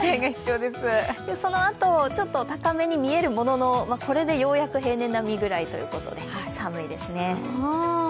そのあと、ちょっと高めに見えるものの、これでようやく平年並みぐらいということで寒いですね。